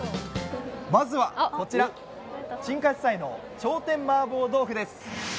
まずはこちら陳家私菜の頂点麻婆豆腐です。